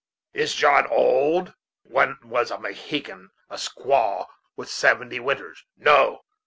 Is John old? When was a Mohican a squaw with seventy winters? No!